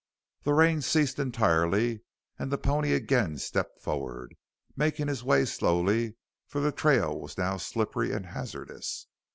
The rain ceased entirely and the pony again stepped forward, making his way slowly, for the trail was now slippery and hazardous.